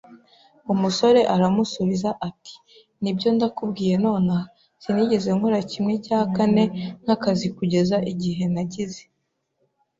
Umusore aramusubiza ati: "Nibyo, ndakubwiye nonaha, sinigeze nkora kimwe cya kane nk'akazi kugeza igihe nagize